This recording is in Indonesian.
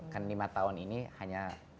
kan lima tahun ini hanya